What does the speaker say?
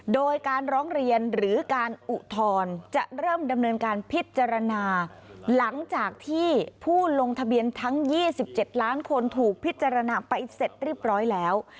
โดยการร้องเรียนหรือการอุทธรณ์จะเริ่มดำเนินการพิจารณาหลังจากที่ผู้ลงทะเบียนทั้ง๒๗ล้านคนถูกพิจารณาไปเสร็จเรียบร้อยแล้ว